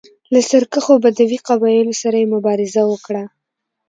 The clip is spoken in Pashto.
له سرکښو بدوي قبایلو سره یې مبارزه وکړه